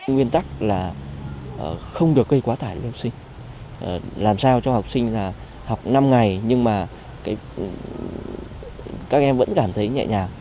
nguyên tắc là không được gây quá tải cho học sinh làm sao cho học sinh là học năm ngày nhưng mà các em vẫn cảm thấy nhẹ nhàng